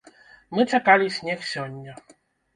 Мы чакалі снег сёння.